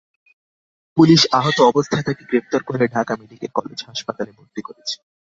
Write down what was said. Police আহত অবস্থায় তাঁকে গ্রেপ্তার করে ঢাকা মেডিকেল কলেজ হাসপাতালে ভর্তি করেছে।